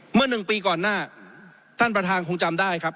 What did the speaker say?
หนึ่งปีก่อนหน้าท่านประธานคงจำได้ครับ